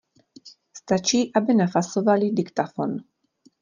Stačí, aby nafasovali diktafon.